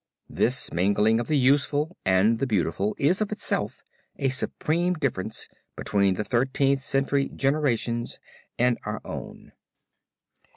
This mingling of the useful and the beautiful is of itself a supreme difference between the Thirteenth Century generations and our own.